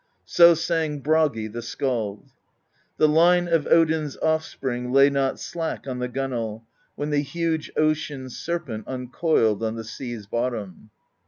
So sang Bragi the Skald: The line of Odin's Offspring Lay not slack on the gunwale, When the huge ocean serpent Uncoiled on the sea's bottom.